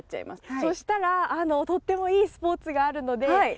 そしたらとってもいいスポーツがあるので。